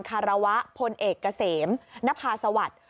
คารวะผลเอกเกษมนภาษวัฒน์